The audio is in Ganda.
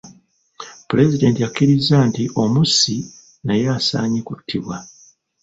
Pulezidenti akiriza nti omussi naye asaanye kuttibwa.